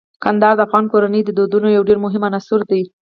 کندهار د افغان کورنیو د دودونو یو ډیر مهم عنصر دی.